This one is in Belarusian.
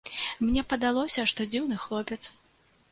Мне падалося, што дзіўны хлопец.